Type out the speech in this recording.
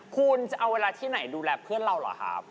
คุณจะเอาเวลาที่ไหนดูแลเพื่อนเราเหรอครับ